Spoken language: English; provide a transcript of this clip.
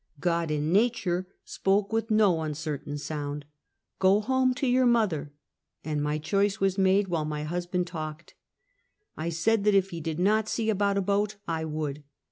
God, in nature, spoke with no uncertain sound, "Go home to your mother," and my choice was made while my husband talked. 1 said that if he did not see about a boat I would.